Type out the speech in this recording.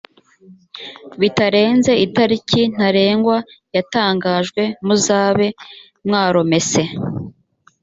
bitarenze itariki ntarengwa yatangajwe muzabe mwaromese